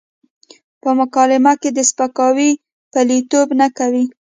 په مکالمه کې د سپکاوي پلويتوب نه کوي.